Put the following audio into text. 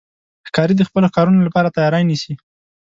ښکاري د خپلو ښکارونو لپاره تیاری نیسي.